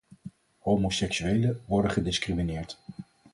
Homoseksuelen worden gediscrimineerd.